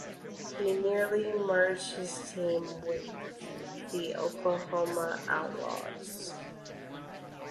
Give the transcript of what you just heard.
He nearly merged his team with the Oklahoma Outlaws.